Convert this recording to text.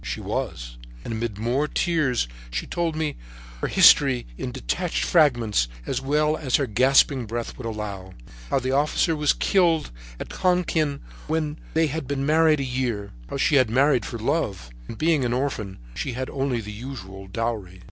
She was, and amid more tears she told me her history in detached fragments as well as her gasping breath would allow, how the officer was killed at Tonquin when they had been married a year, how she had married him for love, and being an orphan, she had only the usual dowry.